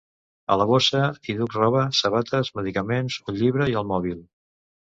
A la bossa hi duc roba, sabates, medicaments, un llibre i el mòbil!